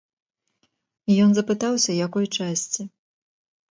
Ён запытаўся, якой часці.